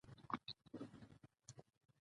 ای ایل ایچ د انګلیسي ادبیاتو ټولې دورې رانغاړي.